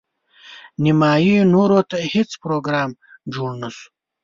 نیمايي نورو ته هیڅ پروګرام جوړ نه شو.